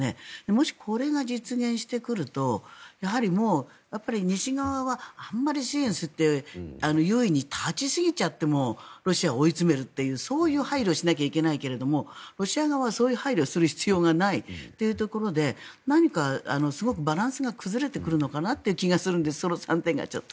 もし、これが実現してくるともう西側はあまり支援して優位に立ちすぎちゃってもロシアを追い詰めるというそういう配慮をしなきゃいけないけどもロシア側はそういう配慮をする必要がないというところで何かすごくバランスが崩れてくるのかなという気がするんです。